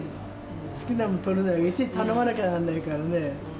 好きなもの取れないし、いちいち頼まなきゃなんないからね。